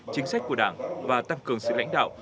chính sách của đảng và tăng cường sự lãnh đạo